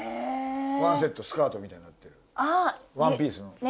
ワンセットスカートみたいになってるワンピースの。